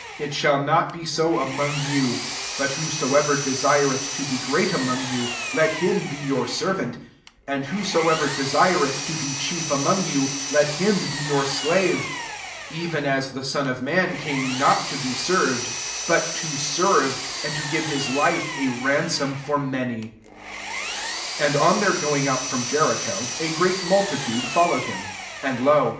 26 It shall not be so among you ; but whosoever desireth to be great among you, let him be your servant; 27 and whoso ever desireth to be chief among you, let him be your slave : 28 even as the Son of man came not to be served, but to serve ; and to give his life a ransom for many." 29 And on their going out from Jericho, a great multitude followed him. 30 And, lo